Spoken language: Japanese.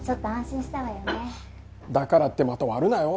だからってまた割るなよ。